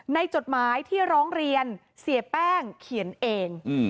จดหมายที่ร้องเรียนเสียแป้งเขียนเอง